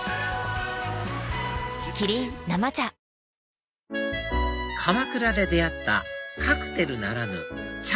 キリン「生茶」鎌倉で出会ったカクテルならぬ茶